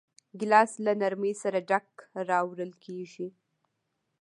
ګیلاس له نرمۍ سره ډک راوړل کېږي.